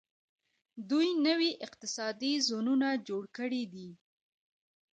دوی نوي اقتصادي زونونه جوړ کړي دي.